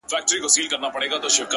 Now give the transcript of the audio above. دا خواركۍ راپسي مه ږغـوه!